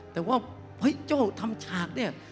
แต่ว่าเฮ้ยโจ้ทำฉากเนี่ย